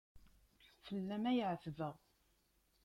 Fell-am ay εetbeɣ.